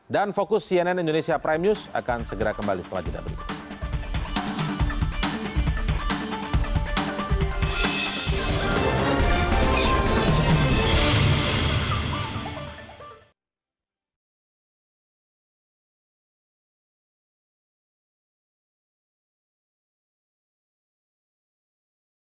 dan fokus cnn indonesia prime news akan segera kembali selanjutnya